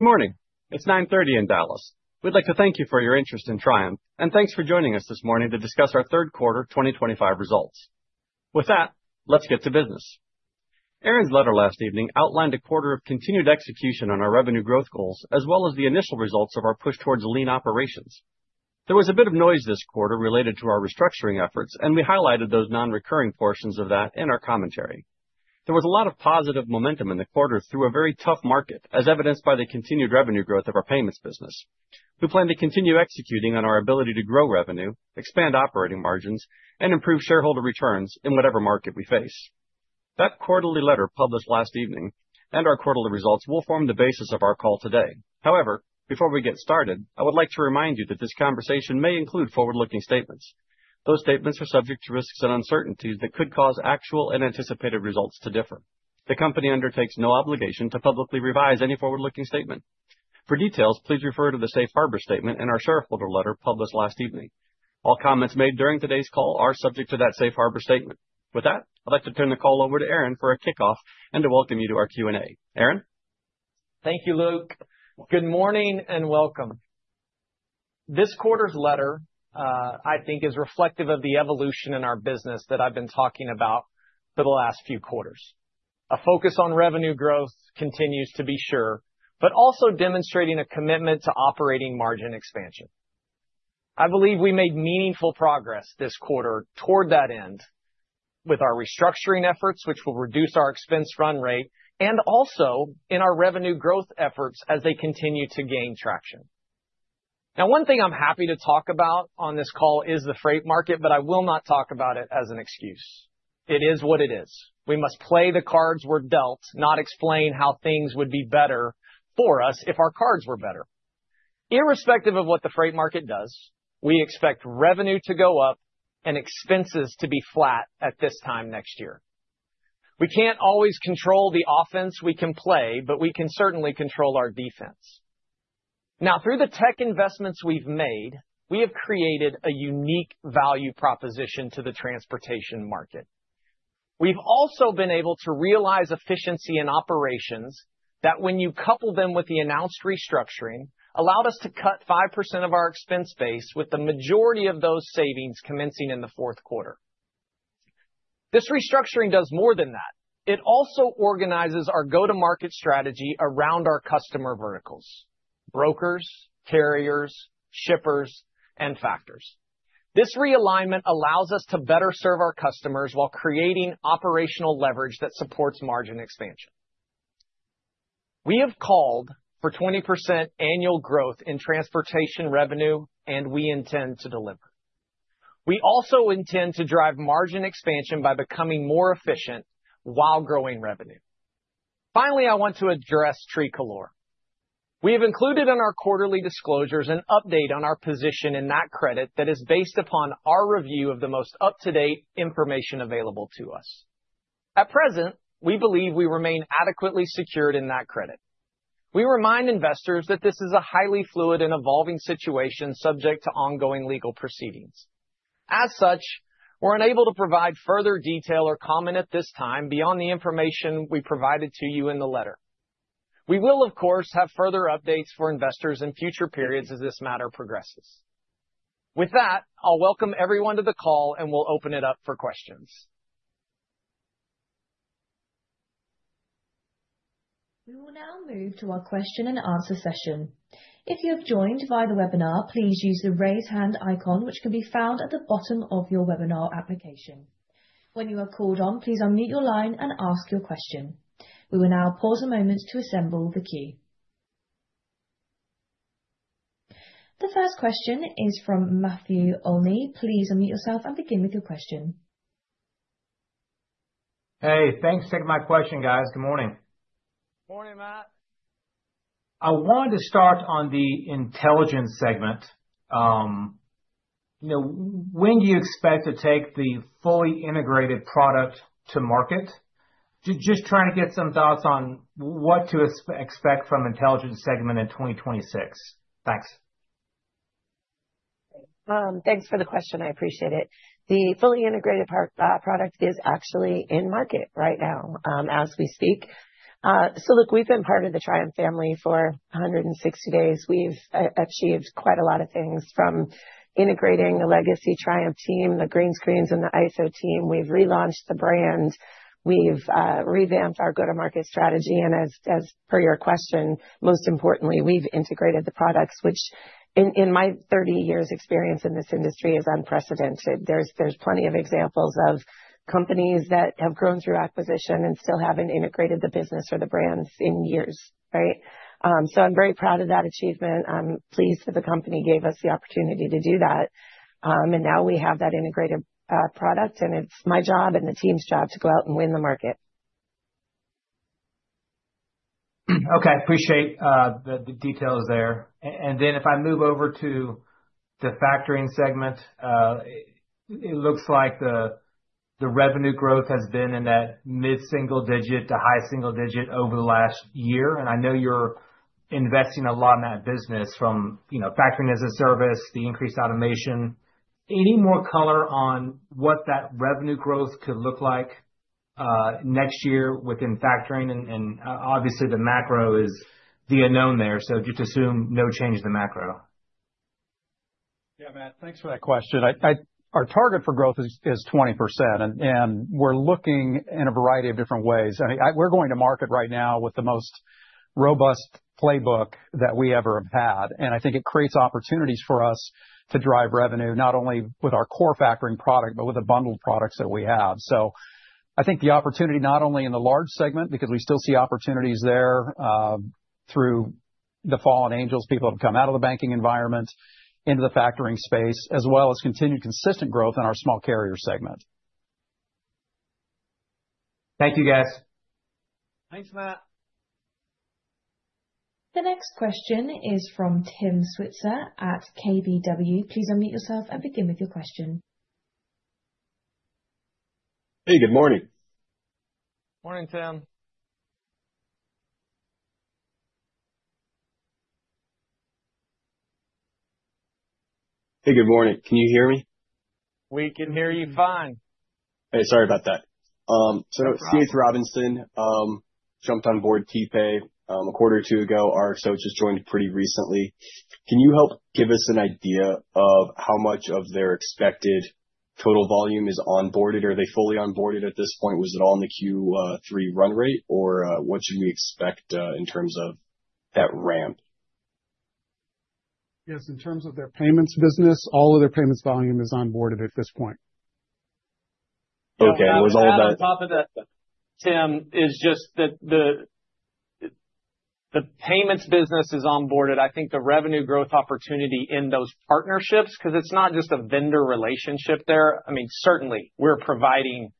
Good morning. It's 9:30 A.M. in Dallas. We'd like to thank you for your interest in Triumph, and thanks for joining us this morning to discuss our Q3 2025 results. With that, let's get to business. Aaron's letter last evening outlined a quarter of continued execution on our revenue growth goals, as well as the initial results of our push towards lean operations. There was a bit of noise this quarter related to our restructuring efforts, and we highlighted those non-recurring portions of that in our commentary. There was a lot of positive momentum in the quarter through a very tough market, as evidenced by the continued revenue growth of our payments business. We plan to continue executing on our ability to grow revenue, expand operating margins, and improve shareholder returns in whatever market we face. That quarterly letter published last evening and our quarterly results will form the basis of our call today. However, before we get started, I would like to remind you that this conversation may include forward-looking statements. Those statements are subject to risks and uncertainties that could cause actual and anticipated results to differ. The company undertakes no obligation to publicly revise any forward-looking statement. For details, please refer to the safe harbor statement and our shareholder letter published last evening. All comments made during today's call are subject to that safe harbor statement. With that, I'd like to turn the call over to Aaron for a kickoff and to welcome you to our Q&A. Aaron? Thank you, Luke. Good morning and welcome. This quarter's letter, I think, is reflective of the evolution in our business that I've been talking about for the last few quarters. A focus on revenue growth continues to be sure, but also demonstrating a commitment to operating margin expansion. I believe we made meaningful progress this quarter toward that end with our restructuring efforts, which will reduce our expense run rate, and also in our revenue growth efforts as they continue to gain traction. Now, one thing I'm happy to talk about on this call is the freight market, but I will not talk about it as an excuse. It is what it is. We must play the cards we're dealt, not explain how things would be better for us if our cards were better. Irrespective of what the freight market does, we expect revenue to go up and expenses to be flat at this time next year. We can't always control the offense we can play, but we can certainly control our defense. Now, through the tech investments we've made, we have created a unique value proposition to the transportation market. We've also been able to realize efficiency in operations that, when you couple them with the announced restructuring, allowed us to cut 5% of our expense base with the majority of those savings commencing in the fourth quarter. This restructuring does more than that. It also organizes our go-to-market strategy around our customer verticals: brokers, carriers, shippers, and factors. This realignment allows us to better serve our customers while creating operational leverage that supports margin expansion. We have called for 20% annual growth in transportation revenue, and we intend to deliver. We also intend to drive margin expansion by becoming more efficient while growing revenue. Finally, I want to address Tricolor. We have included in our quarterly disclosures an update on our position in that credit that is based upon our review of the most up-to-date information available to us. At present, we believe we remain adequately secured in that credit. We remind investors that this is a highly fluid and evolving situation subject to ongoing legal proceedings. As such, we're unable to provide further detail or comment at this time beyond the information we provided to you in the letter. We will, of course, have further updates for investors in future periods as this matter progresses. With that, I'll welcome everyone to the call and we'll open it up for questions. We will now move to our question and answer session. If you have joined via the webinar, please use the raise hand icon, which can be found at the bottom of your webinar application. When you are called on, please unmute your line and ask your question. We will now pause a moment to assemble the queue. The first question is from Matthew Olney. Please unmute yourself and begin with your question. Hey, thanks for taking my question, guys. Good morning. Morning, Matt. I wanted to start on the intelligence segment. You know, when do you expect to take the fully integrated product to market? Just trying to get some thoughts on what to expect from the intelligence segment in 2026. Thanks. Thanks for the question. I appreciate it. The fully integrated product is actually in market right now as we speak. So look, we've been part of the Triumph family for 160 days. We've achieved quite a lot of things from integrating the legacy Triumph team, the green screens, and the ISO team. We've relaunched the brand. We've revamped our go-to-market strategy. And as per your question, most importantly, we've integrated the products, which in my 30 years' experience in this industry is unprecedented. There's plenty of examples of companies that have grown through acquisition and still haven't integrated the business or the brands in years, right? So I'm very proud of that achievement. I'm pleased that the company gave us the opportunity to do that. And now we have that integrated product, and it's my job and the team's job to go out and win the market. Okay. Appreciate the details there. And then if I move over to the factoring segment, it looks like the revenue growth has been in that mid-single digit to high single digit over the last year. And I know you're investing a lot in that business from Factoring as a Service, the increased automation. Any more color on what that revenue growth could look like next year within factoring? And obviously, the macro is the unknown there. So just assume no change in the macro. Yeah, Matt. Thanks for that question. Our target for growth is 20%, and we're looking in a variety of different ways. I mean, we're going to market right now with the most robust playbook that we ever have had, and I think it creates opportunities for us to drive revenue not only with our core factoring product, but with the bundled products that we have, so I think the opportunity not only in the large segment, because we still see opportunities there through the fallen angels, people who have come out of the banking environment into the factoring space, as well as continued consistent growth in our small carrier segment. Thank you, guys. Thanks, Matt. The next question is from Tim Switzer at KBW. Please unmute yourself and begin with your question. Hey, good morning. Morning, Tim. Hey, good morning. Can you hear me? We can hear you fine. Hey, sorry about that. So C.H. Robinson jumped on board TPAY a quarter or two ago or so, just joined pretty recently. Can you help give us an idea of how much of their expected total volume is onboarded? Are they fully onboarded at this point? Was it all in the Q3 run rate, or what should we expect in terms of that ramp? Yes. In terms of their payments business, all of their payments volume is onboarded at this point. Okay. Was all about. On top of that, Tim, is just that the payments business is onboarded. I think the revenue growth opportunity in those partnerships, because it's not just a vendor relationship there. I mean, certainly, we're providing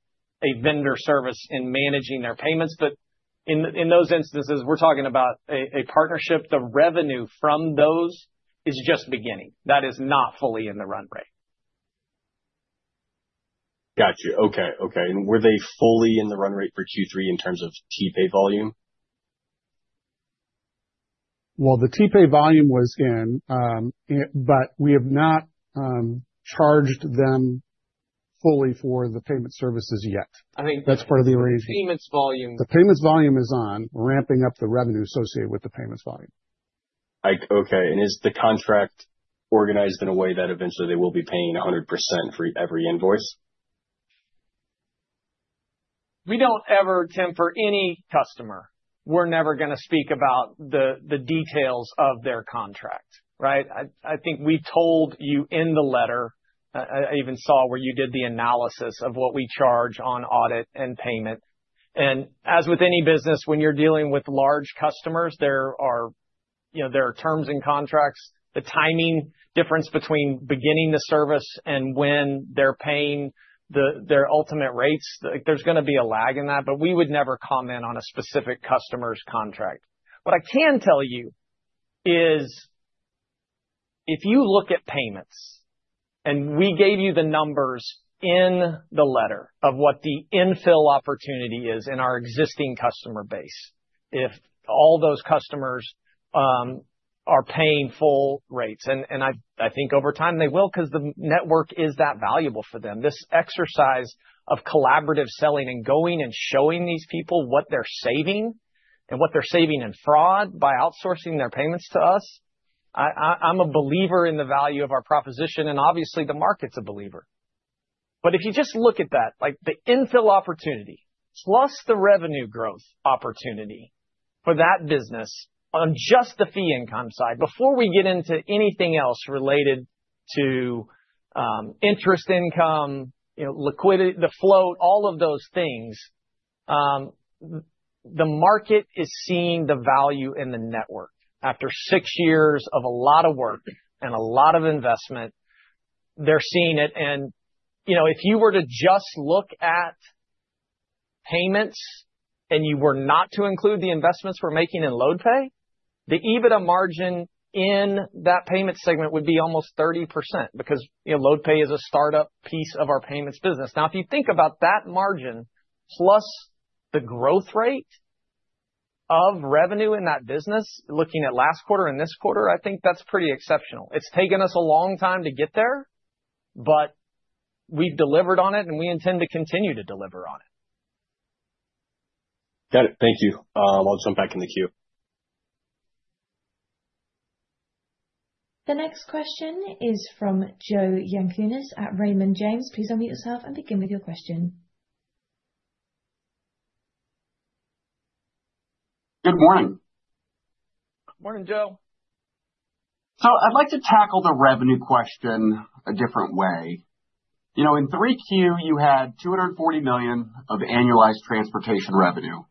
a vendor service in managing their payments. But in those instances, we're talking about a partnership. The revenue from those is just beginning. That is not fully in the run rate. Gotcha. Okay. Okay, and were they fully in the run rate for Q3 in terms of TPAY volume? The TPAY volume was in, but we have not charged them fully for the payment services yet. That's part of the arrangement. The payments volume. The payments volume is on. We're ramping up the revenue associated with the payments volume. Okay. And is the contract organized in a way that eventually they will be paying 100% for every invoice? We don't ever, Tim, for any customer, we're never going to speak about the details of their contract, right? I think we told you in the letter. I even saw where you did the analysis of what we charge on audit and payment, and as with any business, when you're dealing with large customers, there are terms and contracts, the timing difference between beginning the service and when they're paying their ultimate rates. There's going to be a lag in that, but we would never comment on a specific customer's contract. What I can tell you is if you look at payments, and we gave you the numbers in the letter of what the infill opportunity is in our existing customer base, if all those customers are paying full rates, and I think over time they will, because the network is that valuable for them. This exercise of collaborative selling and going and showing these people what they're saving and what they're saving in fraud by outsourcing their payments to us, I'm a believer in the value of our proposition, and obviously, the market's a believer. But if you just look at that, the infill opportunity plus the revenue growth opportunity for that business on just the fee income side, before we get into anything else related to interest income, liquidity, the float, all of those things, the market is seeing the value in the network. After six years of a lot of work and a lot of investment, they're seeing it. And if you were to just look at payments and you were not to include the investments we're making in LoadPay, the EBITDA margin in that payment segment would be almost 30%, because LoadPay is a startup piece of our payments business. Now, if you think about that margin plus the growth rate of revenue in that business, looking at last quarter and this quarter, I think that's pretty exceptional. It's taken us a long time to get there, but we've delivered on it, and we intend to continue to deliver on it. Got it. Thank you. I'll jump back in the queue. The next question is from Joe Yankunis at Raymond James. Please unmute yourself and begin with your question. Good morning. Morning, Joe. I'd like to tackle the revenue question a different way. In 3Q, you had $240 million of annualized transportation revenue,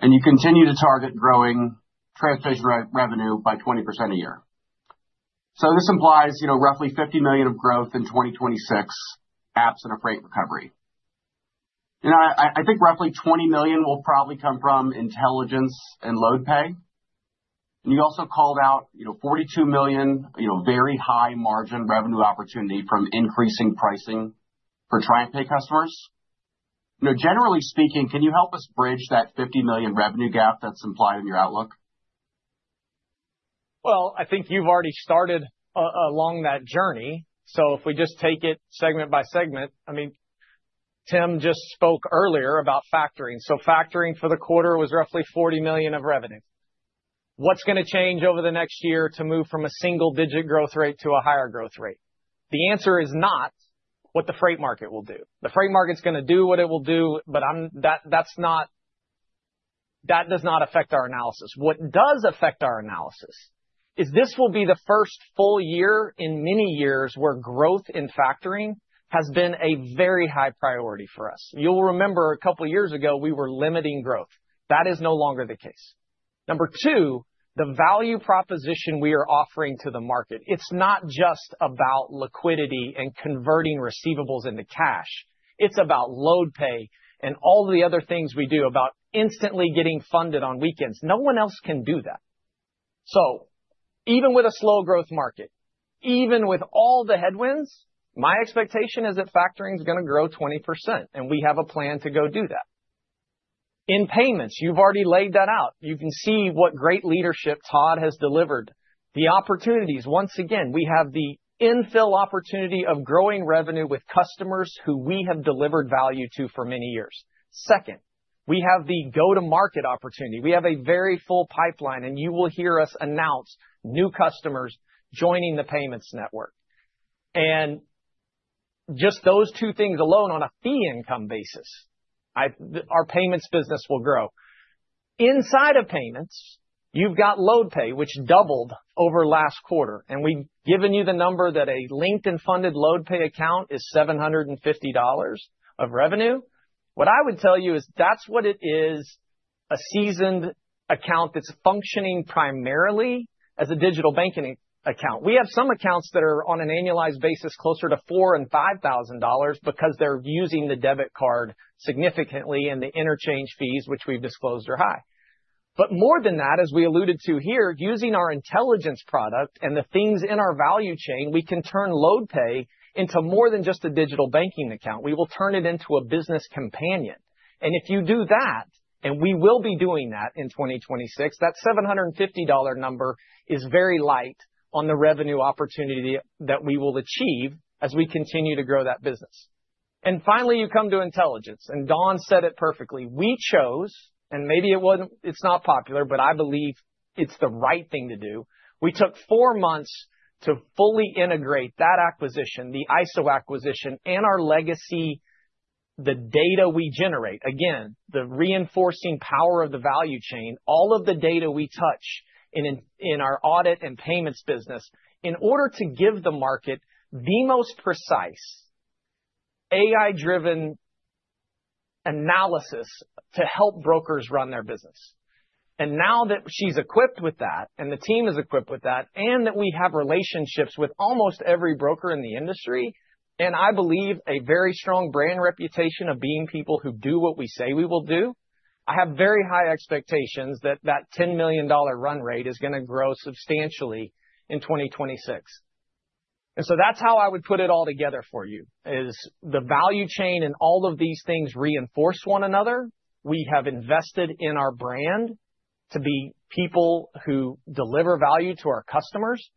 and you continue to target growing transportation revenue by 20% a year. So this implies roughly $50 million of growth in 2026, absent a freight recovery. And I think roughly $20 million will probably come from Intelligence and LoadPay. And you also called out $42 million very high margin revenue opportunity from increasing pricing for TriumphPay customers. Generally speaking, can you help us bridge that $50 million revenue gap that's implied in your outlook? I think you've already started along that journey. So if we just take it segment by segment, I mean, Tim just spoke earlier about factoring. So factoring for the quarter was roughly $40 million of revenue. What's going to change over the next year to move from a single-digit growth rate to a higher growth rate? The answer is not what the freight market will do. The freight market's going to do what it will do, but that does not affect our analysis. What does affect our analysis is this will be the first full year in many years where growth in factoring has been a very high priority for us. You'll remember a couple of years ago, we were limiting growth. That is no longer the case. Number two, the value proposition we are offering to the market. It's not just about liquidity and converting receivables into cash. It's about LoadPay and all the other things we do about instantly getting funded on weekends. No one else can do that. So even with a slow growth market, even with all the headwinds, my expectation is that factoring is going to grow 20%, and we have a plan to go do that. In payments, you've already laid that out. You can see what great leadership Todd has delivered. The opportunities, once again, we have the infill opportunity of growing revenue with customers who we have delivered value to for many years. Second, we have the go-to-market opportunity. We have a very full pipeline, and you will hear us announce new customers joining the payments network. And just those two things alone on a fee income basis, our payments business will grow. Inside of payments, you've got LoadPay, which doubled over last quarter. And we've given you the number that a LinkedIn-funded LoadPay account is $750 of revenue. What I would tell you is that's what it is, a seasoned account that's functioning primarily as a digital banking account. We have some accounts that are on an annualized basis closer to $4,000 and $5,000 because they're using the debit card significantly, and the interchange fees, which we've disclosed, are high. But more than that, as we alluded to here, using our Intelligence product and the things in our value chain, we can turn LoadPay into more than just a digital banking account. We will turn it into a business companion. And if you do that, and we will be doing that in 2026, that $750 number is very light on the revenue opportunity that we will achieve as we continue to grow that business. And finally, you come to Intelligence. And Dawn said it perfectly. We chose, and maybe it's not popular, but I believe it's the right thing to do. We took four months to fully integrate that acquisition, the ISO acquisition, and our legacy, the data we generate, again, the reinforcing power of the value chain, all of the data we touch in our audit and payments business in order to give the market the most precise AI-driven analysis to help brokers run their business. And now that she's equipped with that, and the team is equipped with that, and that we have relationships with almost every broker in the industry, and I believe a very strong brand reputation of being people who do what we say we will do, I have very high expectations that that $10 million run rate is going to grow substantially in 2026. And so that's how I would put it all together for you, is the value chain and all of these things reinforce one another. We have invested in our brand to be people who deliver value to our customers,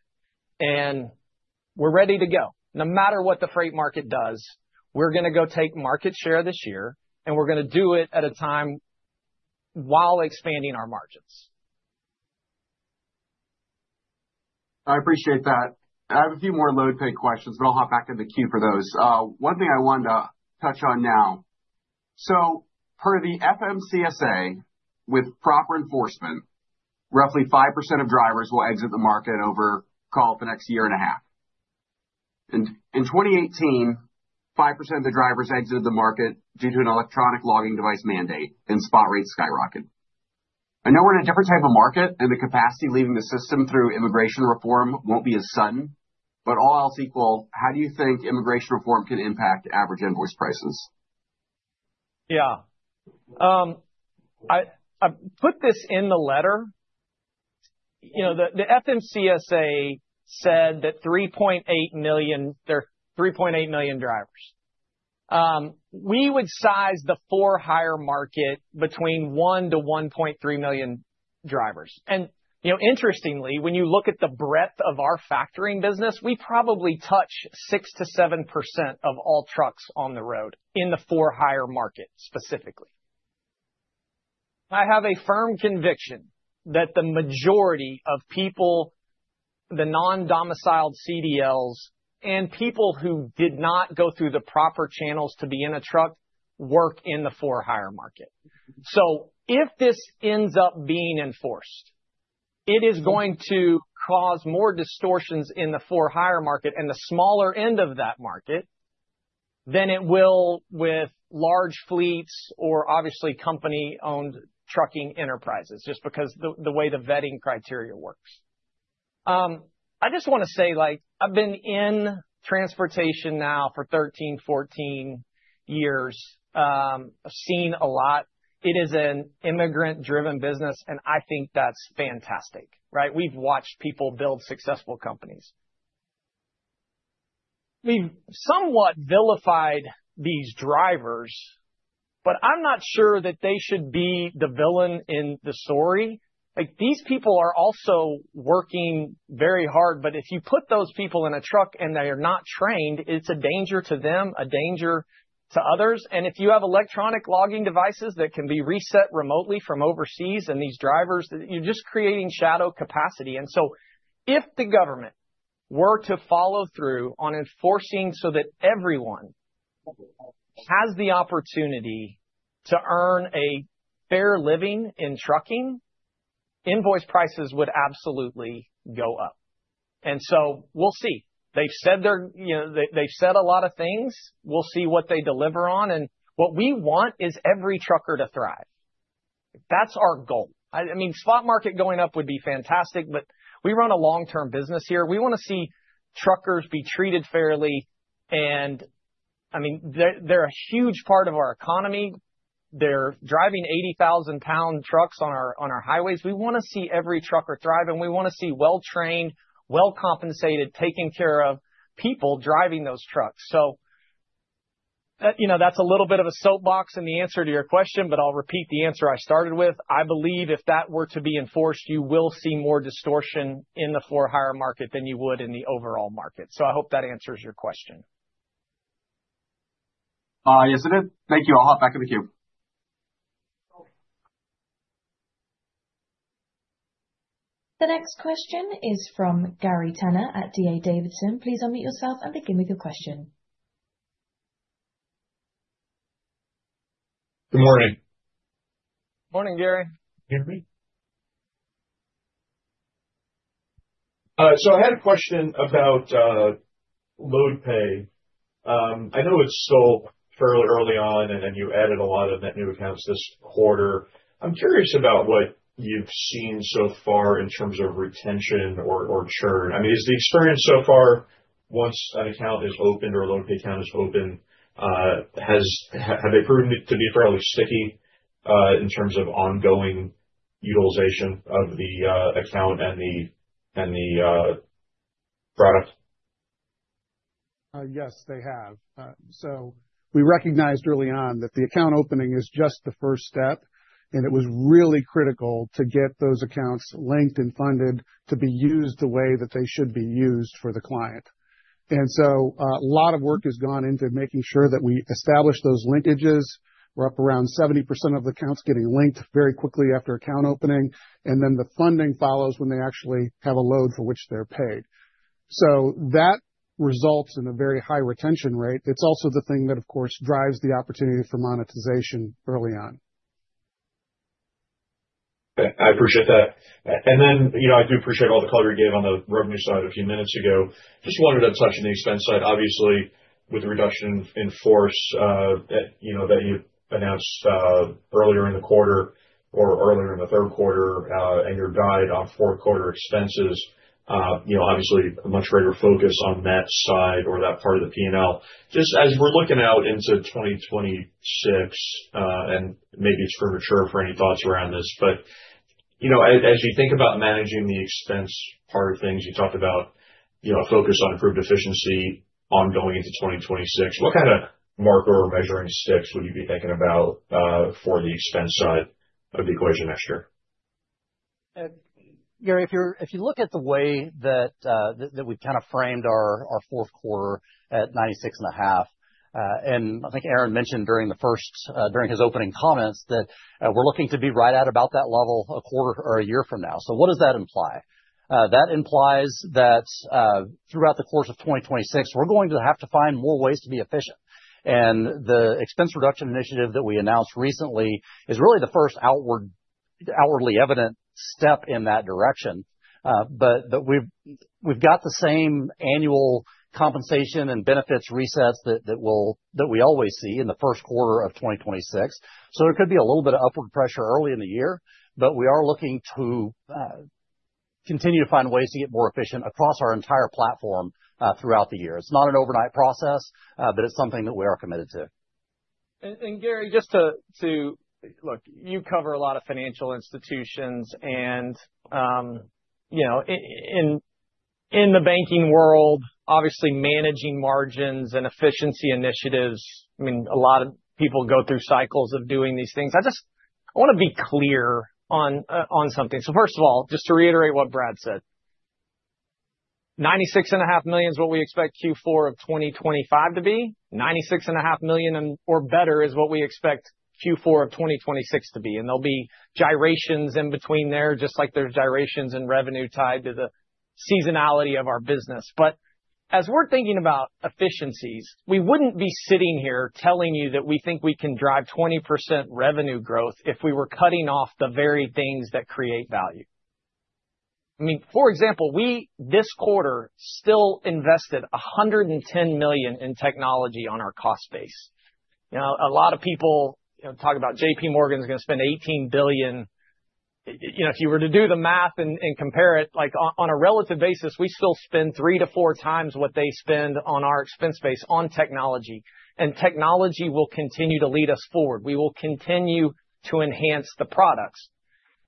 and we're ready to go. No matter what the freight market does, we're going to go take market share this year, and we're going to do it at a time while expanding our margins. I appreciate that. I have a few more LoadPay questions, but I'll hop back in the queue for those. One thing I wanted to touch on now. So per the FMCSA, with proper enforcement, roughly five% of drivers will exit the market over, call it, the next year and a half, and in 2018, five% of the drivers exited the market due to an electronic logging device mandate, and spot rates skyrocketed. I know we're in a different type of market, and the capacity leaving the system through immigration reform won't be as sudden, but all else equal, how do you think immigration reform can impact average invoice prices? Yeah. I put this in the letter. The FMCSA said that 3.8 million drivers. We would size the for-hire market between 1-1.3 million drivers, and interestingly, when you look at the breadth of our factoring business, we probably touch 6%-7% of all trucks on the road in the for-hire market specifically. I have a firm conviction that the majority of people, the non-domiciled CDLs, and people who did not go through the proper channels to be in a truck work in the for-hire market, so if this ends up being enforced, it is going to cause more distortions in the for-hire market and the smaller end of that market than it will with large fleets or obviously company-owned trucking enterprises, just because of the way the vetting criteria works. I just want to say, I've been in transportation now for 13-14 years. I've seen a lot. It is an immigrant-driven business, and I think that's fantastic, right? We've watched people build successful companies. We've somewhat vilified these drivers, but I'm not sure that they should be the villain in the story. These people are also working very hard, but if you put those people in a truck and they are not trained, it's a danger to them, a danger to others, and if you have electronic logging devices that can be reset remotely from overseas and these drivers, you're just creating shadow capacity, and so if the government were to follow through on enforcing so that everyone has the opportunity to earn a fair living in trucking, invoice prices would absolutely go up, and so we'll see. They've said a lot of things. We'll see what they deliver on, and what we want is every trucker to thrive. That's our goal. I mean, spot market going up would be fantastic, but we run a long-term business here. We want to see truckers be treated fairly. And I mean, they're a huge part of our economy. They're driving 80,000-pound trucks on our highways. We want to see every trucker thrive, and we want to see well-trained, well-compensated, taken care of people driving those trucks. So that's a little bit of a soapbox in the answer to your question, but I'll repeat the answer I started with. I believe if that were to be enforced, you will see more distortion in the for-hire market than you would in the overall market. So I hope that answers your question? Yes, it is. Thank you. I'll hop back in the queue. The next question is from Gary Tenner at D.A. Davidson. Please unmute yourself and begin with your question. Good morning. Morning, Gary. Good morning. So I had a question about LoadPay. I know it's sold fairly early on, and you added a lot of net new accounts this quarter. I'm curious about what you've seen so far in terms of retention or churn. I mean, is the experience so far, once an account is opened or a LoadPay account is opened, have they proven to be fairly sticky in terms of ongoing utilization of the account and the product? Yes, they have. So we recognized early on that the account opening is just the first step, and it was really critical to get those accounts linked and funded to be used the way that they should be used for the client. And so a lot of work has gone into making sure that we establish those linkages. We're up around 70% of the accounts getting linked very quickly after account opening, and then the funding follows when they actually have a load for which they're paid. So that results in a very high retention rate. It's also the thing that, of course, drives the opportunity for monetization early on. I appreciate that, and then I do appreciate all the color you gave on the revenue side a few minutes ago. Just wanted to touch on the expense side. Obviously, with the reduction in force that you announced earlier in the quarter or earlier in the Q3 and your guide on fourth quarter expenses, obviously, a much greater focus on that side or that part of the P&L. Just as we're looking out into 2026, and maybe it's premature for any thoughts around this, but as you think about managing the expense part of things, you talked about a focus on improved efficiency ongoing into 2026. What kind of marker or measuring sticks would you be thinking about for the expense side of the equation next year? Gary, if you look at the way that we've kind of framed our fourth quarter at 96.5, and I think Aaron mentioned during his opening comments that we're looking to be right at about that level a quarter or a year from now, so what does that imply? That implies that throughout the course of 2026, we're going to have to find more ways to be efficient, and the expense reduction initiative that we announced recently is really the first outwardly evident step in that direction, but we've got the same annual compensation and benefits resets that we always see in the first quarter of 2026, so there could be a little bit of upward pressure early in the year, but we are looking to continue to find ways to get more efficient across our entire platform throughout the year. It's not an overnight process, but it's something that we are committed to. Gary, just to look, you cover a lot of financial institutions. In the banking world, obviously, managing margins and efficiency initiatives, I mean, a lot of people go through cycles of doing these things. I want to be clear on something. First of all, just to reiterate what Brad said, $96.5 million is what we expect Q4 of 2025 to be. $96.5 million or better is what we expect Q4 of 2026 to be. There'll be gyrations in between there, just like there's gyrations in revenue tied to the seasonality of our business. As we're thinking about efficiencies, we wouldn't be sitting here telling you that we think we can drive 20% revenue growth if we were cutting off the very things that create value. I mean, for example, we, this quarter, still invested $110 million in technology on our cost base. A lot of people talk about J.P. Morgan is going to spend $18 billion. If you were to do the math and compare it, on a relative basis, we still spend three to four times what they spend on our expense base on technology, and technology will continue to lead us forward. We will continue to enhance the products.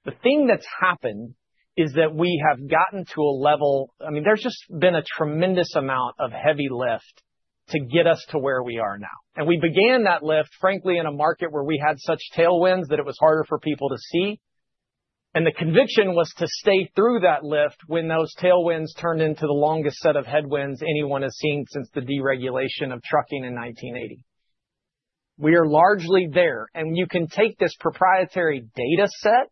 The thing that's happened is that we have gotten to a level. I mean, there's just been a tremendous amount of heavy lift to get us to where we are now, and we began that lift, frankly, in a market where we had such tailwinds that it was harder for people to see. And the conviction was to stay through that lift when those tailwinds turned into the longest set of headwinds anyone has seen since the deregulation of trucking in 1980. We are largely there. And you can take this proprietary data set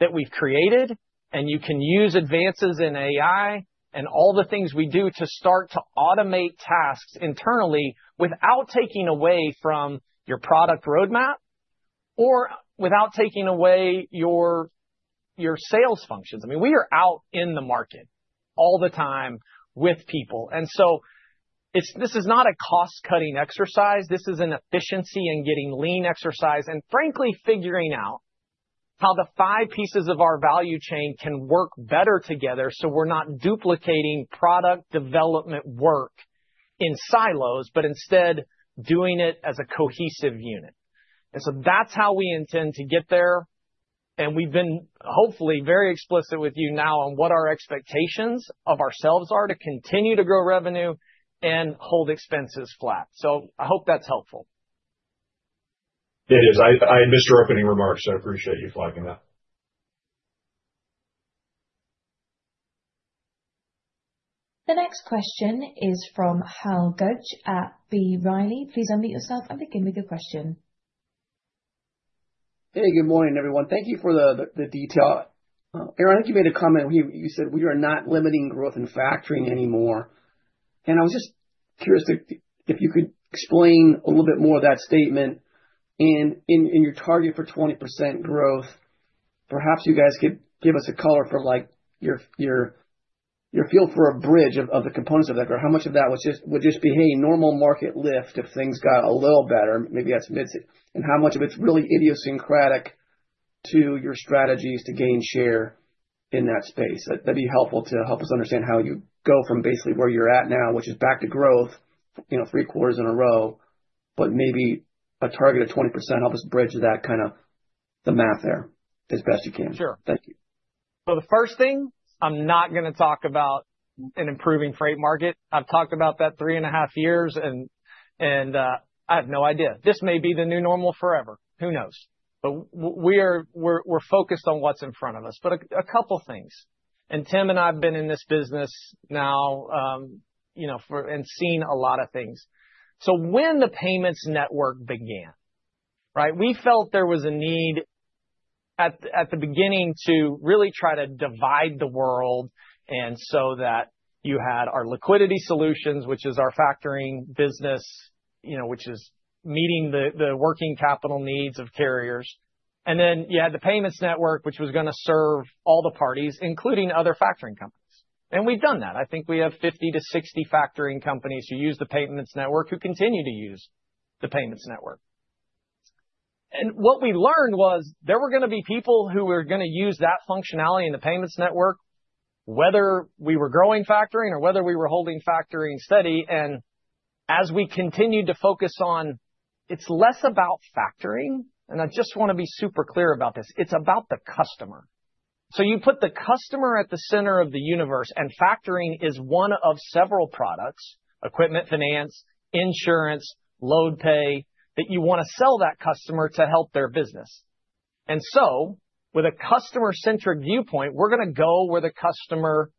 that we've created, and you can use advances in AI and all the things we do to start to automate tasks internally without taking away from your product roadmap or without taking away your sales functions. I mean, we are out in the market all the time with people. And so this is not a cost-cutting exercise. This is an efficiency and getting lean exercise. And frankly, figuring out how the five pieces of our value chain can work better together so we're not duplicating product development work in silos, but instead doing it as a cohesive unit. And so that's how we intend to get there. And we've been hopefully very explicit with you now on what our expectations of ourselves are to continue to grow revenue and hold expenses flat. So I hope that's helpful. It is. I missed your opening remarks. I appreciate you flagging that. The next question is from Hal Goetsch at B. Riley. Please unmute yourself and begin with your question. Hey, good morning, everyone. Thank you for the detail. Aaron, I think you made a comment. You said we are not limiting growth in factoring anymore. And I was just curious if you could explain a little bit more of that statement. And in your target for 20% growth, perhaps you guys could give us a color for your feel for a bridge of the components of that, or how much of that would just be, hey, normal market lift if things got a little better, maybe that's mid-season, and how much of it's really idiosyncratic to your strategies to gain share in that space. That'd be helpful to help us understand how you go from basically where you're at now, which is back to growth three quarters in a row, but maybe a target of 20% helps us bridge that kind of the math there as best you can. Sure. So the first thing, I'm not going to talk about an improving freight market. I've talked about that three and a half years, and I have no idea. This may be the new normal forever. Who knows? But we're focused on what's in front of us. But a couple of things. And Tim and I have been in this business now and seen a lot of things. So when the payments network began, right, we felt there was a need at the beginning to really try to divide the world so that you had our liquidity solutions, which is our factoring business, which is meeting the working capital needs of carriers. And then you had the payments network, which was going to serve all the parties, including other factoring companies. And we've done that. I think we have 50-60 factoring companies who use the payments network who continue to use the payments network. And what we learned was there were going to be people who were going to use that functionality in the payments network, whether we were growing factoring or whether we were holding factoring steady. And as we continued to focus on, it's less about factoring, and I just want to be super clear about this. It's about the customer. So you put the customer at the center of the universe, and factoring is one of several products: equipment, finance, insurance, LoadPay, that you want to sell that customer to help their business. And so with a customer-centric viewpoint, we're going to go where the customer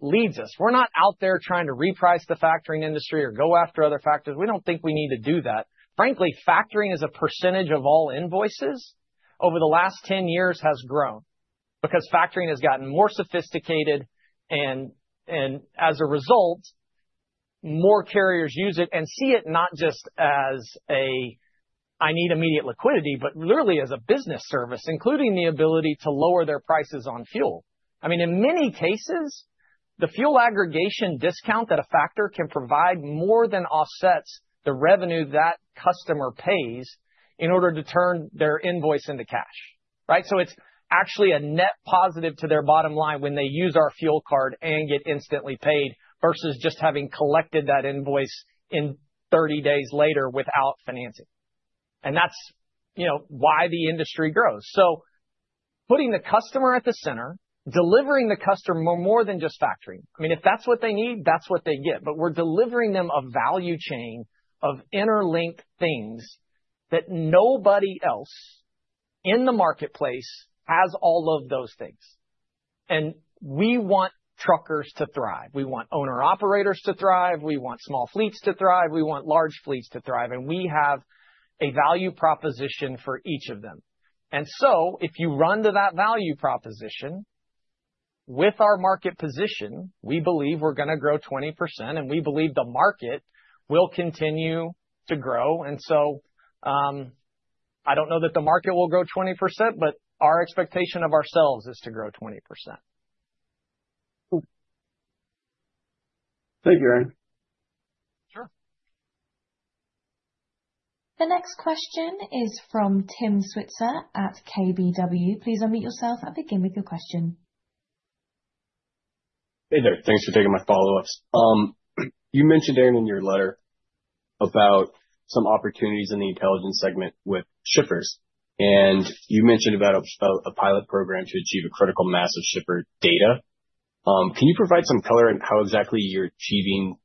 leads us. We're not out there trying to reprice the factoring industry or go after other factors. We don't think we need to do that. Frankly, factoring as a percentage of all invoices over the last 10 years has grown because factoring has gotten more sophisticated, and as a result, more carriers use it and see it not just as a, "I need immediate liquidity," but literally as a business service, including the ability to lower their prices on fuel. I mean, in many cases, the fuel aggregation discount that a factor can provide more than offsets the revenue that customer pays in order to turn their invoice into cash, right, so it's actually a net positive to their bottom line when they use our fuel card and get instantly paid versus just having collected that invoice 30 days later without financing, and that's why the industry grows, so putting the customer at the center, delivering the customer more than just factoring. I mean, if that's what they need, that's what they get. But we're delivering them a value chain of interlinked things that nobody else in the marketplace has all of those things. And we want truckers to thrive. We want owner-operators to thrive. We want small fleets to thrive. We want large fleets to thrive. And we have a value proposition for each of them. And so if you run to that value proposition with our market position, we believe we're going to grow 20%, and we believe the market will continue to grow. And so I don't know that the market will grow 20%, but our expectation of ourselves is to grow 20%. Thank you, Aaron. Sure. The next question is from Tim Switzer at KBW. Please unmute yourself and begin with your question. Hey there. Thanks for taking my follow-ups. You mentioned, Aaron, in your letter about some opportunities in the Intelligence segment with shippers, and you mentioned about a pilot program to achieve a critical mass of shipper data. Can you provide some color on how exactly you're achieving,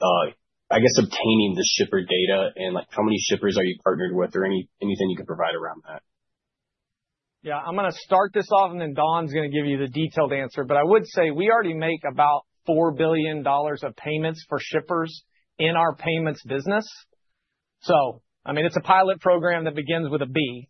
I guess, obtaining the shipper data and how many shippers are you partnered with or anything you can provide around that? Yeah. I'm going to start this off, and then Dawn's going to give you the detailed answer. But I would say we already make about $4 billion of payments for shippers in our payments business. So I mean, it's a pilot program that begins with a B.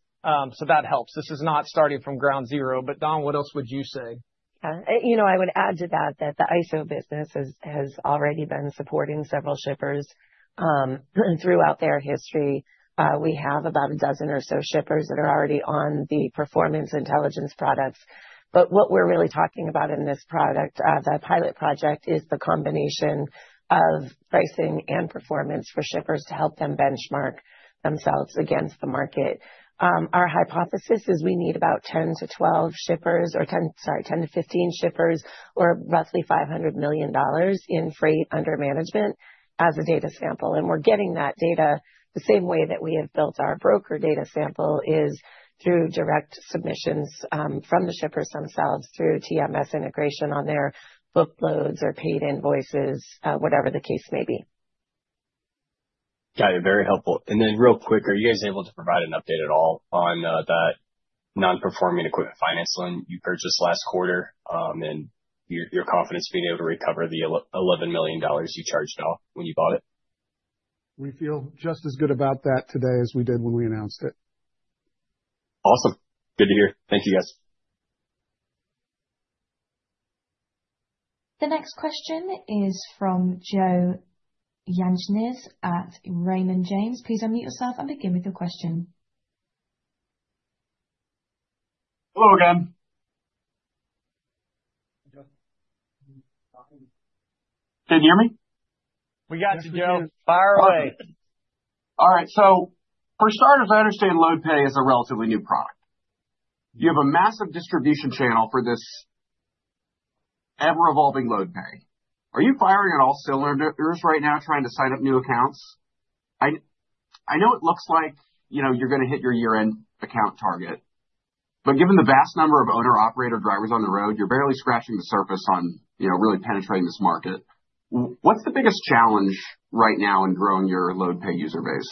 So that helps. This is not starting from ground zero. But Dawn, what else would you say? Yeah. I would add to that that the ISO business has already been supporting several shippers throughout their history. We have about a dozen or so shippers that are already on the performance intelligence products. But what we're really talking about in this product, the pilot project, is the combination of pricing and performance for shippers to help them benchmark themselves against the market. Our hypothesis is we need about 10 to 12 shippers or 10, sorry, 10 to 15 shippers or roughly $500 million in freight under management as a data sample. And we're getting that data the same way that we have built our broker data sample, is through direct submissions from the shippers themselves through TMS integration on their bookloads or paid invoices, whatever the case may be. Got it. Very helpful. And then real quick, are you guys able to provide an update at all on that non-performing equipment finance loan you purchased last quarter and your confidence being able to recover the $11 million you charged off when you bought it? We feel just as good about that today as we did when we announced it. Awesome. Good to hear. Thank you, guys. The next question is from Joe Yankunis at Raymond James. Please unmute yourself and begin with your question. Hello again. Can you hear me? We got you, Joe. Fire away. All right. So for starters, I understand LoadPay is a relatively new product. You have a massive distribution channel for this ever-evolving LoadPay. Are you firing on all cylinders right now trying to sign up new accounts? I know it looks like you're going to hit your year-end account target. But given the vast number of owner-operator drivers on the road, you're barely scratching the surface on really penetrating this market. What's the biggest challenge right now in growing your LoadPay user base?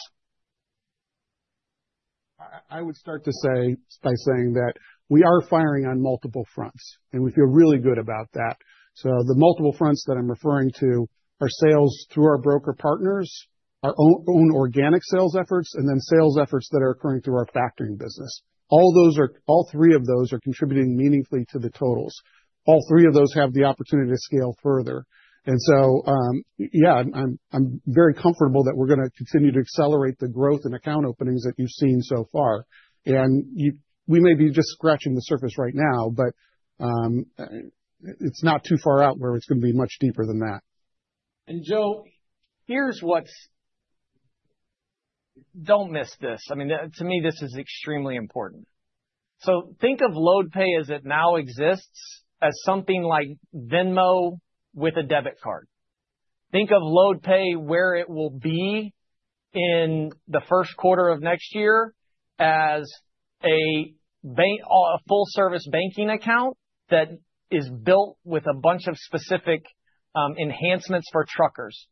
I would start to say by saying that we are firing on multiple fronts, and we feel really good about that. So the multiple fronts that I'm referring to are sales through our broker partners, our own organic sales efforts, and then sales efforts that are occurring through our factoring business. All three of those are contributing meaningfully to the totals. All three of those have the opportunity to scale further. And so, yeah, I'm very comfortable that we're going to continue to accelerate the growth and account openings that you've seen so far. And we may be just scratching the surface right now, but it's not too far out where it's going to be much deeper than that. And Joe, here's what's. Don't miss this. I mean, to me, this is extremely important. So think of LoadPay as it now exists as something like Venmo with a debit card. Think of LoadPay where it will be in the first quarter of next year as a full-service banking account that is built with a bunch of specific enhancements for truckers.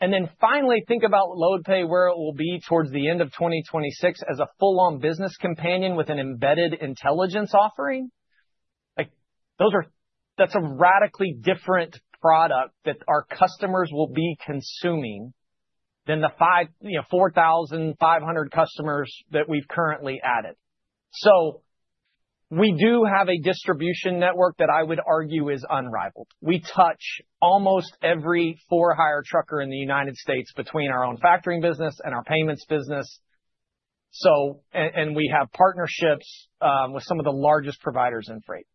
And then finally, think about LoadPay where it will be towards the end of 2026 as a full-on business companion with an embedded Intelligence offering. That's a radically different product that our customers will be consuming than the 4,500 customers that we've currently added. So we do have a distribution network that I would argue is unrivaled. We touch almost every for-hire trucker in the United States between our own factoring business and our payments business. And we have partnerships with some of the largest providers in freight.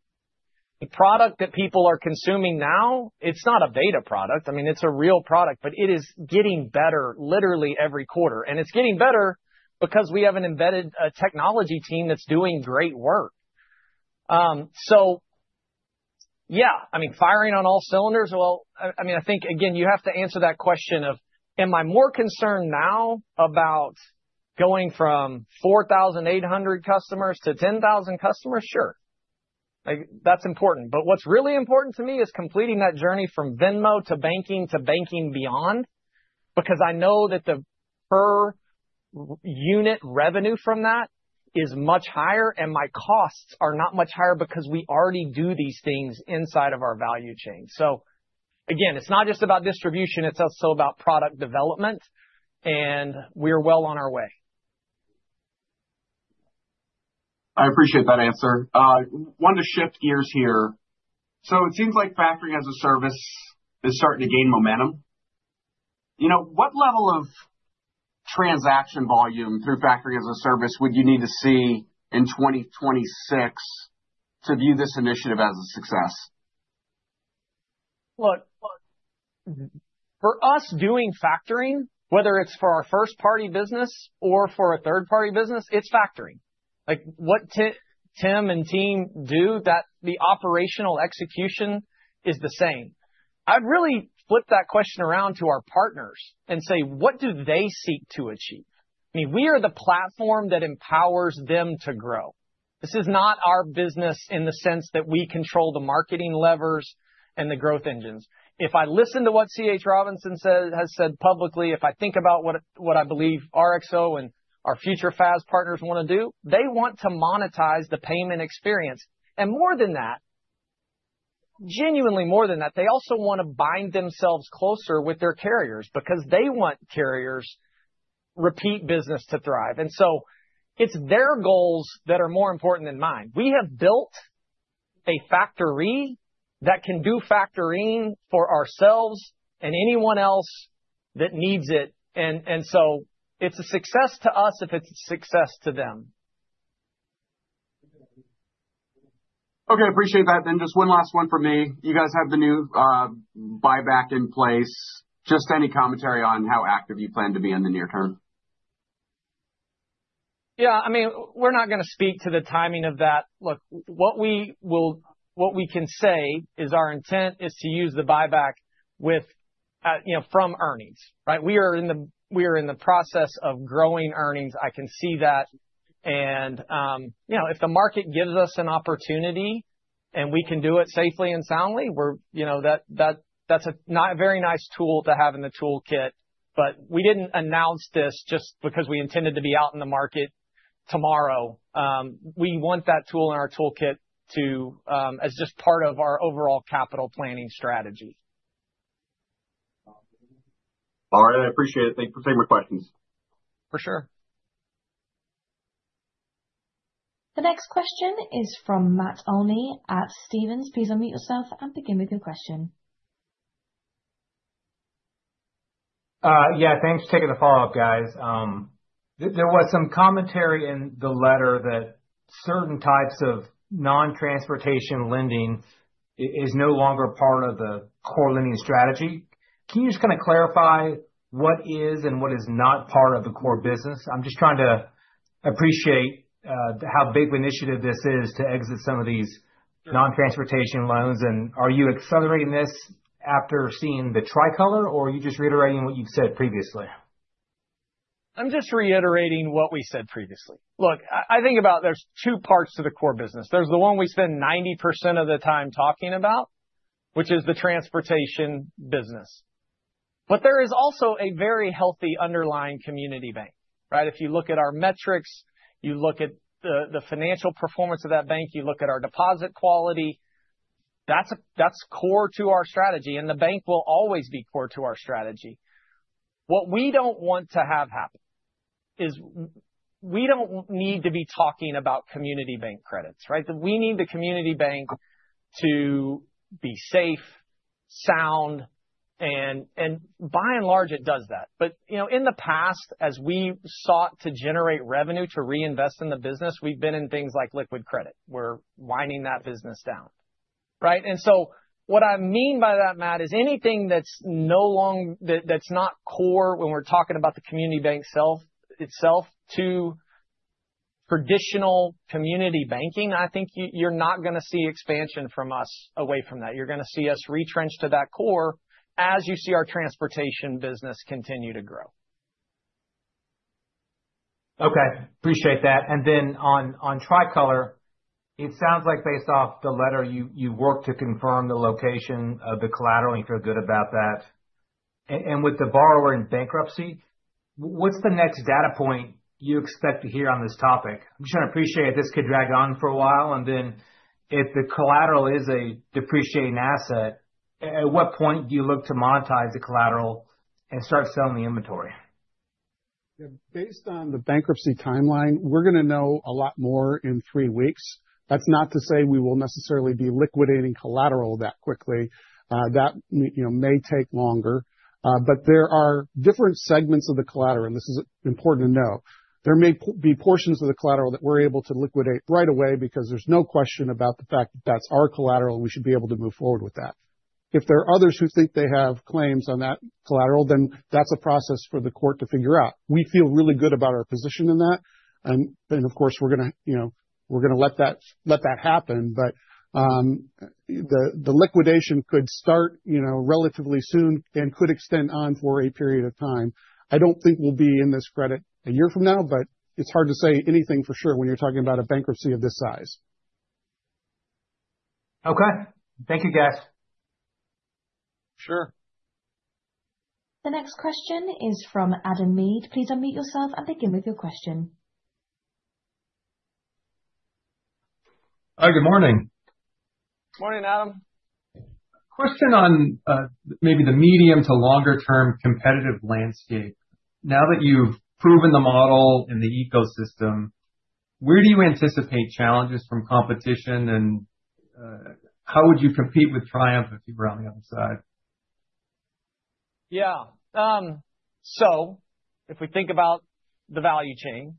The product that people are consuming now, it's not a beta product. I mean, it's a real product, but it is getting better literally every quarter. And it's getting better because we have an embedded technology team that's doing great work. So yeah, I mean, firing on all cylinders, well, I mean, I think, again, you have to answer that question of, am I more concerned now about going from 4,800 customers to 10,000 customers? Sure. That's important. But what's really important to me is completing that journey from Venmo to banking to banking beyond because I know that the per unit revenue from that is much higher, and my costs are not much higher because we already do these things inside of our value chain. So again, it's not just about distribution. It's also about product development. We're well on our way. I appreciate that answer. I wanted to shift gears here. So it seems like factoring as a service is starting to gain momentum. What level of transaction volume through factoring as a service would you need to see in 2026 to view this initiative as a success? Look, for us doing factoring, whether it's for our first-party business or for a third-party business, it's factoring. What Tim and team do, the operational execution is the same. I'd really flip that question around to our partners and say, what do they seek to achieve? I mean, we are the platform that empowers them to grow. This is not our business in the sense that we control the marketing levers and the growth engines. If I listen to what C.H. Robinson has said publicly, if I think about what I believe RXO and our future FAS partners want to do, they want to monetize the payment experience. And more than that, genuinely more than that, they also want to bind themselves closer with their carriers because they want carriers' repeat business to thrive. And so it's their goals that are more important than mine. We have built a factory that can do factoring for ourselves and anyone else that needs it, and so it's a success to us if it's a success to them. Okay. Appreciate that. Then just one last one for me. You guys have the new buyback in place. Just any commentary on how active you plan to be in the near term? Yeah. I mean, we're not going to speak to the timing of that. Look, what we can say is our intent is to use the buyback from earnings, right? We are in the process of growing earnings. I can see that, and if the market gives us an opportunity and we can do it safely and soundly, that's not a very nice tool to have in the toolkit, but we didn't announce this just because we intended to be out in the market tomorrow. We want that tool in our toolkit as just part of our overall capital planning strategy. All right. I appreciate it. Thanks for taking my questions. For sure. The next question is from Matt Olney at Stephens. Please unmute yourself and begin with your question. Yeah. Thanks for taking the follow-up, guys. There was some commentary in the letter that certain types of non-transportation lending is no longer part of the core lending strategy. Can you just kind of clarify what is and what is not part of the core business? I'm just trying to appreciate how big of an initiative this is to exit some of these non-transportation loans. And are you accelerating this after seeing the Tricolor, or are you just reiterating what you've said previously? I'm just reiterating what we said previously. Look, I think about there's two parts to the core business. There's the one we spend 90% of the time talking about, which is the transportation business. But there is also a very healthy underlying community bank, right? If you look at our metrics, you look at the financial performance of that bank, you look at our deposit quality. That's core to our strategy. And the bank will always be core to our strategy. What we don't want to have happen is we don't need to be talking about community bank credits, right? We need the community bank to be safe, sound. And by and large, it does that. But in the past, as we sought to generate revenue to reinvest in the business, we've been in things like liquid credit. We're winding that business down, right? What I mean by that, Matt, is anything that's no longer core when we're talking about the community bank itself to traditional community banking. I think you're not going to see expansion from us away from that. You're going to see us retrench to that core as you see our transportation business continue to grow. Okay. Appreciate that. And then on Tricolor, it sounds like based off the letter, you worked to confirm the location of the collateral. You feel good about that. And with the borrower in bankruptcy, what's the next data point you expect to hear on this topic? I'm just going to appreciate this could drag on for a while. And then if the collateral is a depreciating asset, at what point do you look to monetize the collateral and start selling the inventory? Yeah. Based on the bankruptcy timeline, we're going to know a lot more in three weeks. That's not to say we will necessarily be liquidating collateral that quickly. That may take longer. But there are different segments of the collateral, and this is important to know. There may be portions of the collateral that we're able to liquidate right away because there's no question about the fact that that's our collateral, and we should be able to move forward with that. If there are others who think they have claims on that collateral, then that's a process for the court to figure out. We feel really good about our position in that. And of course, we're going to let that happen. But the liquidation could start relatively soon and could extend on for a period of time. I don't think we'll be in this credit a year from now, but it's hard to say anything for sure when you're talking about a bankruptcy of this size. Okay. Thank you, guys. Sure. The next question is from Adam Mead. Please unmute yourself and begin with your question. Hi. Good morning. Morning, Adam. Question on maybe the medium to longer-term competitive landscape. Now that you've proven the model and the ecosystem, where do you anticipate challenges from competition, and how would you compete with Triumph if you were on the other side? Yeah. So if we think about the value chain,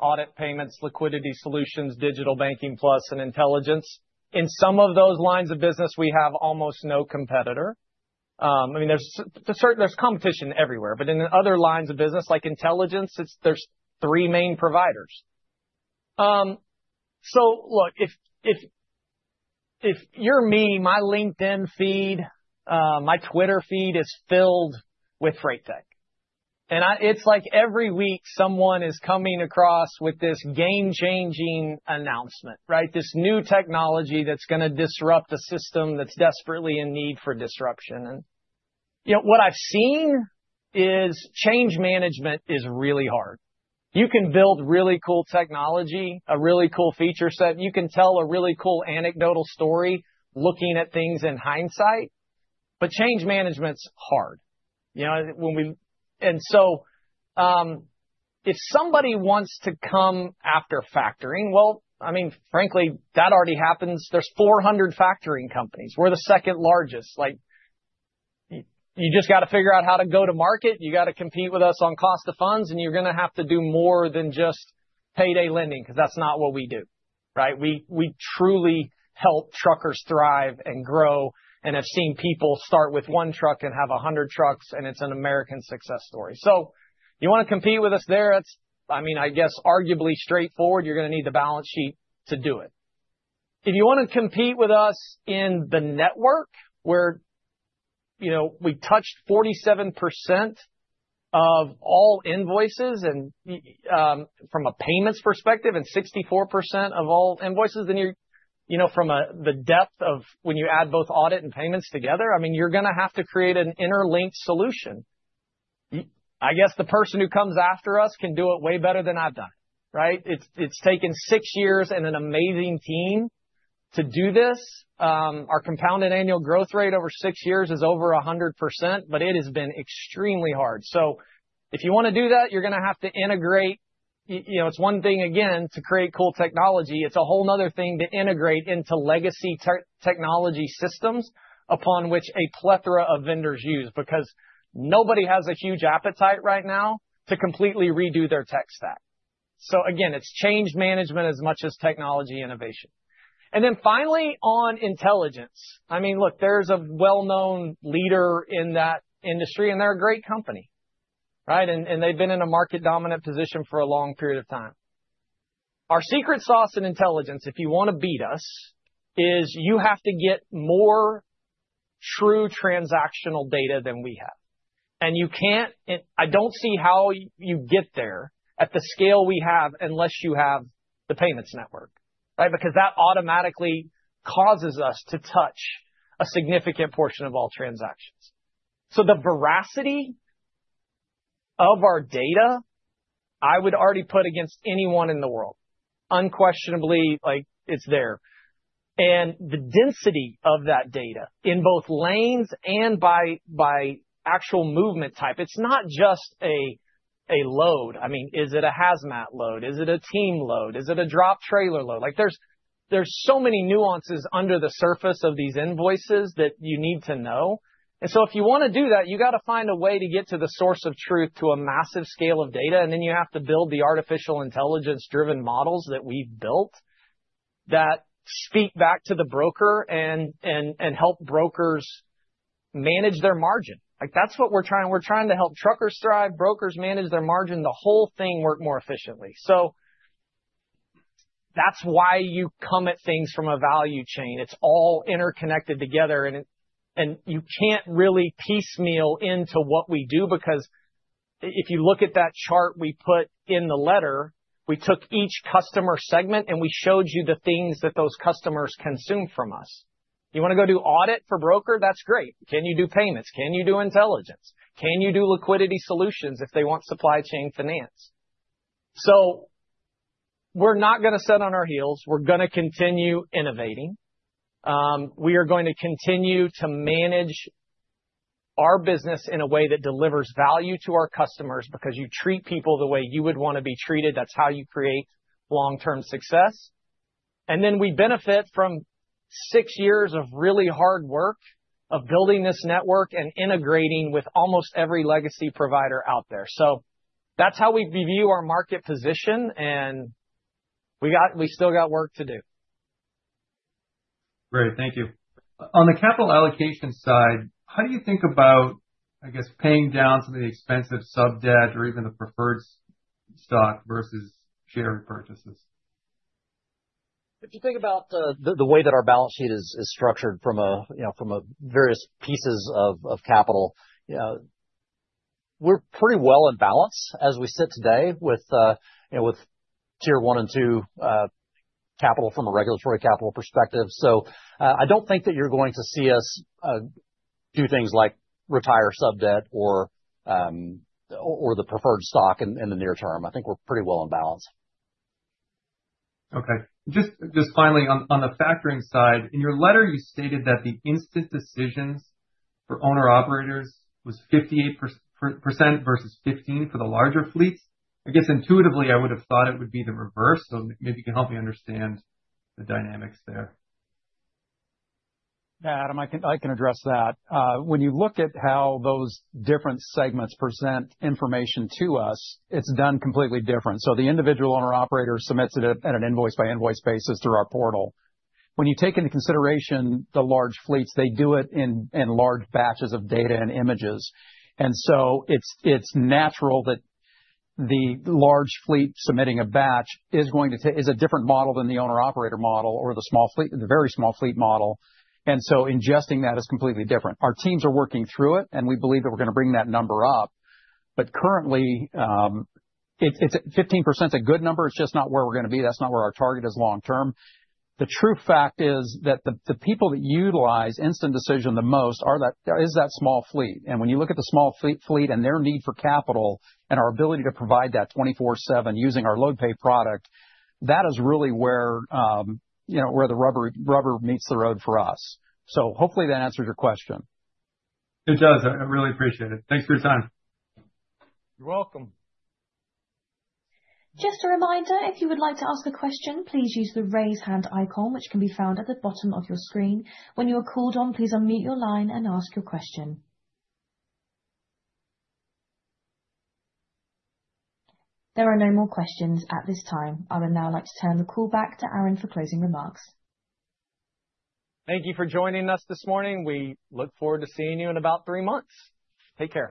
audit payments, liquidity solutions, digital banking plus, and intelligence, in some of those lines of business, we have almost no competitor. I mean, there's competition everywhere. But in other lines of business, like intelligence, there's three main providers. So look, if you're me, my LinkedIn feed, my Twitter feed is filled with FreightTech. And it's like every week, someone is coming across with this game-changing announcement, right? This new technology that's going to disrupt a system that's desperately in need for disruption. And what I've seen is change management is really hard. You can build really cool technology, a really cool feature set. You can tell a really cool anecdotal story looking at things in hindsight. But change management's hard. And so if somebody wants to come after factoring, well, I mean, frankly, that already happens. There's 400 factoring companies. We're the second largest. You just got to figure out how to go to market. You got to compete with us on cost of funds, and you're going to have to do more than just payday lending because that's not what we do, right? We truly help truckers thrive and grow and have seen people start with one truck and have 100 trucks, and it's an American success story. So you want to compete with us there, I mean, I guess, arguably straightforward, you're going to need the balance sheet to do it. If you want to compete with us in the network where we touched 47% of all invoices from a payments perspective and 64% of all invoices, then from the depth of when you add both audit and payments together, I mean, you're going to have to create an interlinked solution. I guess the person who comes after us can do it way better than I've done, right? It's taken six years and an amazing team to do this. Our compounded annual growth rate over six years is over 100%, but it has been extremely hard. So if you want to do that, you're going to have to integrate. It's one thing, again, to create cool technology. It's a whole nother thing to integrate into legacy technology systems upon which a plethora of vendors use because nobody has a huge appetite right now to completely redo their tech stack. So again, it's change management as much as technology innovation. And then finally, on intelligence, I mean, look, there's a well-known leader in that industry, and they're a great company, right? And they've been in a market-dominant position for a long period of time. Our secret sauce in Intelligence, if you want to beat us, is you have to get more true transactional data than we have. And I don't see how you get there at the scale we have unless you have the payments network, right? Because that automatically causes us to touch a significant portion of all transactions. So the veracity of our data, I would already put against anyone in the world. Unquestionably, it's there. And the density of that data in both lanes and by actual movement type, it's not just a load. I mean, is it a hazmat load? Is it a team load? Is it a drop trailer load? There's so many nuances under the surface of these invoices that you need to know. And so if you want to do that, you got to find a way to get to the source of truth to a massive scale of data. And then you have to build the artificial intelligence-driven models that we've built that speak back to the broker and help brokers manage their margin. That's what we're trying. We're trying to help truckers thrive, brokers manage their margin, the whole thing work more efficiently. So that's why you come at things from a value chain. It's all interconnected together. And you can't really piecemeal into what we do because if you look at that chart we put in the letter, we took each customer segment, and we showed you the things that those customers consume from us. You want to go do audit for broker? That's great. Can you do payments? Can you do intelligence? Can you do liquidity solutions if they want supply chain finance? So we're not going to sit on our heels. We're going to continue innovating. We are going to continue to manage our business in a way that delivers value to our customers because you treat people the way you would want to be treated. That's how you create long-term success. And then we benefit from six years of really hard work of building this network and integrating with almost every legacy provider out there. So that's how we view our market position. And we still got work to do. Great. Thank you. On the capital allocation side, how do you think about, I guess, paying down some of the expensive sub-debt or even the preferred stock versus share repurchases? If you think about the way that our balance sheet is structured from various pieces of capital, we're pretty well in balance as we sit today with Tier 1 and Tier 2 capital from a regulatory capital perspective. So I don't think that you're going to see us do things like retire sub-debt or the preferred stock in the near term. I think we're pretty well in balance. Okay. Just finally, on the factoring side, in your letter, you stated that the instant decisions for owner-operators was 58% versus 15% for the larger fleets. I guess intuitively, I would have thought it would be the reverse. So maybe you can help me understand the dynamics there. Yeah, Adam, I can address that. When you look at how those different segments present information to us, it's done completely different. So the individual owner-operator submits it at an invoice-by-invoice basis through our portal. When you take into consideration the large fleets, they do it in large batches of data and images. And so it's natural that the large fleet submitting a batch is a different model than the owner-operator model or the very small fleet model. And so ingesting that is completely different. Our teams are working through it, and we believe that we're going to bring that number up. But currently, 15% is a good number. It's just not where we're going to be. That's not where our target is long-term. The true fact is that the people that utilize instant decision the most is that small fleet. And when you look at the small fleet and their need for capital and our ability to provide that 24/7 using our LoadPay product, that is really where the rubber meets the road for us. So hopefully, that answers your question. It does. I really appreciate it. Thanks for your time. You're welcome. Just a reminder, if you would like to ask a question, please use the raise hand icon, which can be found at the bottom of your screen. When you are called on, please unmute your line and ask your question. There are no more questions at this time. I would now like to turn the call back to Aaron for closing remarks. Thank you for joining us this morning. We look forward to seeing you in about three months. Take care.